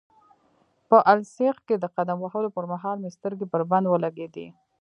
په السیق کې د قدم وهلو پرمهال مې سترګې پر بند ولګېدې.